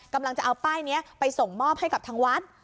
กำลังจะเอาป้ายนี้ไปส่งมอบให้กับทางวัด